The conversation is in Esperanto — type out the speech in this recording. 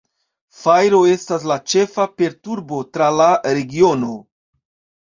Fajro estas la ĉefa perturbo tra la regiono.